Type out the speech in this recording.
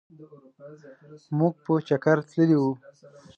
مونږ په چکرتللي وو.